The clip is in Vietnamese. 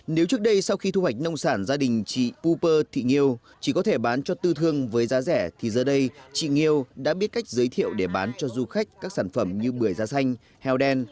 nếu trước đây sau khi thu hoạch nông sản gia đình chị uper thị nhiều chỉ có thể bán cho tư thương với giá rẻ thì giờ đây chị nhiêu đã biết cách giới thiệu để bán cho du khách các sản phẩm như bưởi da xanh heo đen